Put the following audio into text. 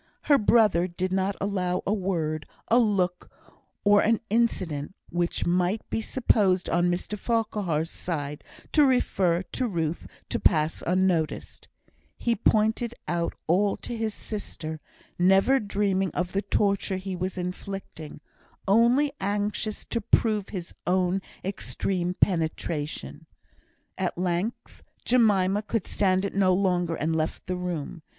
Her brother did not allow a word, a look, or an incident, which might be supposed on Mr Farquhar's side to refer to Ruth, to pass unnoticed; he pointed out all to his sister, never dreaming of the torture he was inflicting, only anxious to prove his own extreme penetration. At length Jemima could stand it no longer, and left the room.